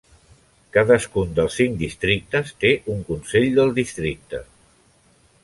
Cadascun dels cinc districtes té un consell del districte.